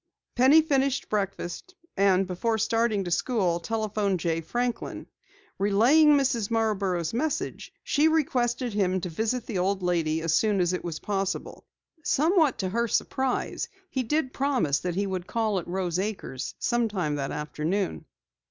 Penny finished breakfast, and before starting to school, telephoned Jay Franklin. Relaying Mrs. Marborough's message, she requested him to visit the old lady as soon as it was convenient. Somewhat to her surprise he promised that he would call at Rose Acres that afternoon.